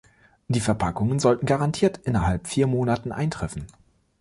Die Verpackungen sollten garantiert innerhalb vier Monaten eintreffen.